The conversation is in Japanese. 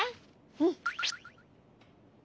うん！